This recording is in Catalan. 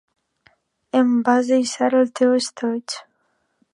Em vas deixar el teu estoig.